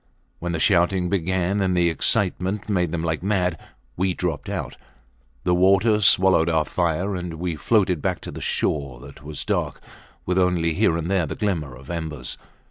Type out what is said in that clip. When the shouting began and the excitement made them like mad we dropped out. The water swallowed our fire, and we floated back to the shore that was dark with only here and there the glimmer of embers.